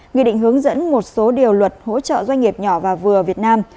nghị định hướng dẫn một số điều luật hỗ trợ doanh nghiệp nhỏ và vừa việt nam